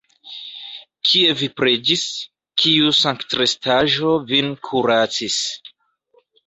Kie vi preĝis, kiu sanktrestaĵo vin kuracis?